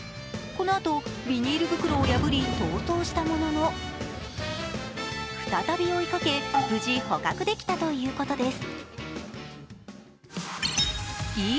このあと、ビニール袋を破り、逃走したものの、再び追いかけ、無事捕獲できたということです。